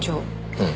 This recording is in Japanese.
うん。